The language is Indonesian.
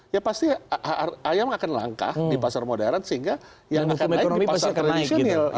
ya pasti ayam akan langka di pasar modern sehingga yang akan naik di pasar tradisional